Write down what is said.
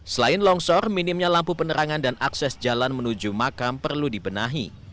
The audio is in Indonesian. selain longsor minimnya lampu penerangan dan akses jalan menuju makam perlu dibenahi